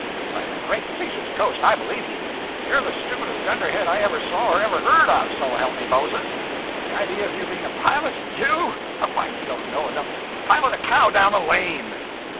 'By the great Caesar's ghost, I believe you! You're the stupidest dunderhead I ever saw or ever heard of, so help me Moses! The idea of you being a pilot you! Why, you don't know enough to pilot a cow down a lane.'